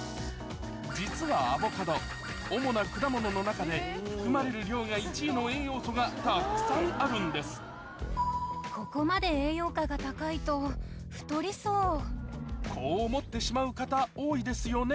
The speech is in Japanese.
実はアボカド主な果物の中で含まれる量が１位の栄養素がたくさんあるんですこう思ってしまう方多いですよね